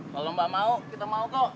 kalau nggak mau kita mau kok